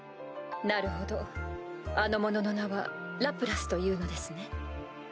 なるほどあの者の名はラプラスというのですね。